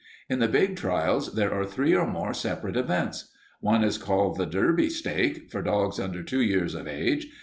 In the big trials there are three or more separate events. One is called the Derby stake, for dogs under two years of age.